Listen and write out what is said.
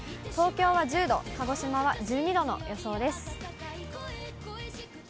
東京は１０度、鹿児島は１２度の予想です。